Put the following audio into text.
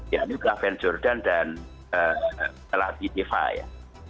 yaitu gavin jordan dan eladie tifa ya